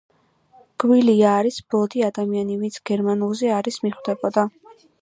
გვილია არის ბლოდი ადამიანი ვინც გერმანულზე არის მიხვდებოდა.